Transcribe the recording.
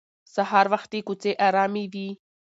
سهار وختي کوڅې ارامې وي